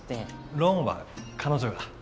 ローンは彼女が。